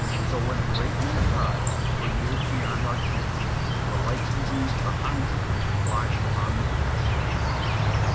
"So when a great man dies, For years beyond our ken The light he leaves behind him lies Upon the paths of men."